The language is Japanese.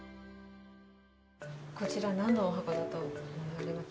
こちらなんのお箱だと思われますか？